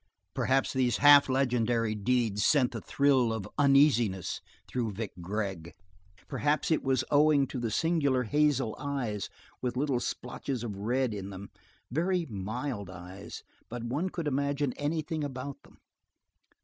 Perhaps these half legendary deeds sent the thrill of uneasiness through Vic Gregg; perhaps it was owing to the singular hazel eyes, with little splotches of red in them; very mild eyes, but one could imagine anything about them.